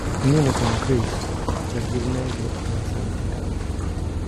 Unione con Cristo o, per dir meglio, alla santità.